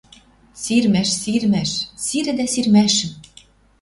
Сирмӓш, сирмӓш! Сирӹдӓ сирмӓшӹм